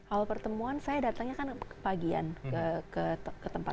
awal pertemuan saya datangnya kan ke pagian ke tempat